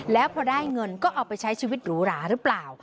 แล้วพอได้เงินก็เอาไปใช้ชีวิตหรูหราหรือเปล่า